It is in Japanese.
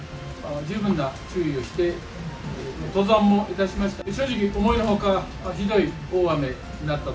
十分な注意をして登山をいたしました。